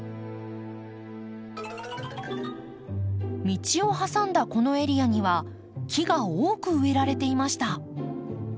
道を挟んだこのエリアには木が多く植えられていました。